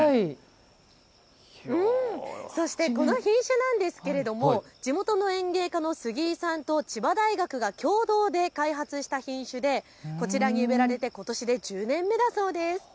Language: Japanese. そしてこの品種なんですが地元の園芸家の杉井さんと千葉大学が共同で開発した品種でこちらに植えられてことしで１０年目だそうです。